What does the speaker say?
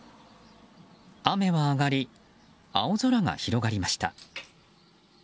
雨は上がり、青空が広がりました。